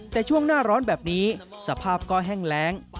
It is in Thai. แต่ช่วงหน้าร้อนแบบนี้สภาพก็แห้งแรง